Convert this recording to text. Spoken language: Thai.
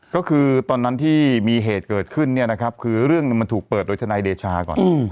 ก็คือตอนนั้นที่มีเหตุเกิดขึ้นเนี่ยนะครับคือเรื่องมันถูกเปิดโดยทนายเดชาก่อน